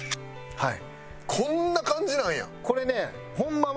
はい。